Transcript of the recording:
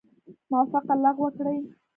موافقه لغو کړي.